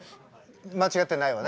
間違ってないわね？